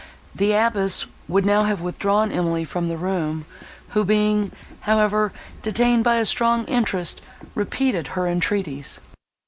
The abbess would now have withdrawn Emily from the room, who being, however, detained by a strong interest, repeated her entreaties.